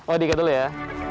oh diikat dulu ya